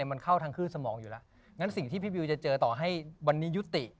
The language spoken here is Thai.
มันเข้าทางขึ้นสมองอยู่แล้วงั้นสิ่งที่พี่บิวจะเจอต่อให้วันนี้ยุติ